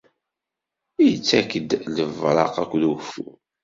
Ittak-d lebraq akked ugeffur.